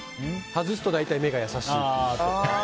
外すと大体、目が優しいっていう。